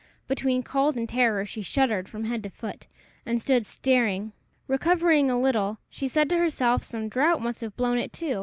Between cold and terror she shuddered from head to foot, and stood staring. Recovering a little, she said to herself some draught must have blown it to.